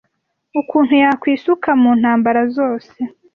Ukuntu yakwisuka mu ntambara zose,